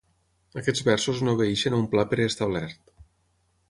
Aquests versos no obeeixen a un pla preestablert